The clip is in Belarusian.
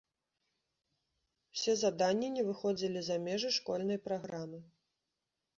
Усе заданні не выходзілі за межы школьнай праграмы.